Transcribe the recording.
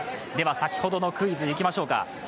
先ほどのクイズ、いきましょうか。